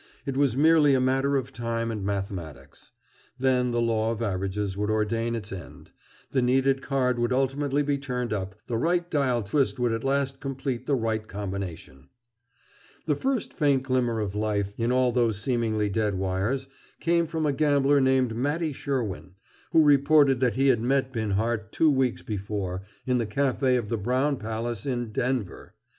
It was merely a matter of time and mathematics. Then the law of averages would ordain its end; the needed card would ultimately be turned up, the right dial twist would at last complete the right combination. The first faint glimmer of life, in all those seemingly dead wires, came from a gambler named Mattie Sherwin, who reported that he had met Binhart, two weeks before, in the café of the Brown Palace in Denver.